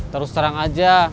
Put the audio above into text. terus terang aja